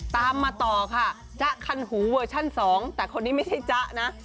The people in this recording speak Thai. ตามมาต่อค่ะจ๊ะคันหูเวอร์ชั่น๒แต่คนนี้ไม่ใช่จ๊ะนะ